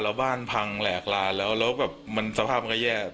แล้วบ้านพังแหลกลานแล้วแล้วแบบมันสภาพมันก็แย่